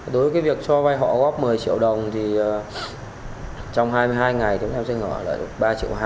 đối với việc cho vay họ góp một mươi triệu đồng thì trong hai mươi hai ngày chúng em sẽ ngỡ lợi được ba triệu hai